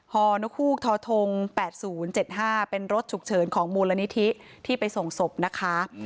ฮนกฮูกทท๘๐๗๕เป็นรถฉุกเฉินของมูลนิธิที่ไปส่งศพนะคะ